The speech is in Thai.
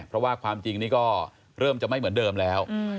เพราะว่าความจริงนี่ก็เริ่มจะไม่เหมือนเดิมแล้ว